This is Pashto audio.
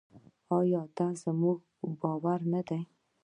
آیا دا زموږ باور نه دی؟